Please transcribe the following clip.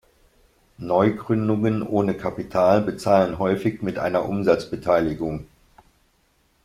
Neugründungen ohne Kapital bezahlen häufig mit einer Umsatzbeteiligung.